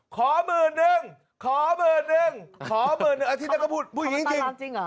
ขอมือหนึ่งขอมือหนึ่งขอมือหนึ่งอาทิตย์นั้นก็พูดผู้หญิงจริง